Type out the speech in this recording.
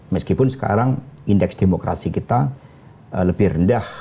meskipun sekarang indeks demokrasi kita lebih rendah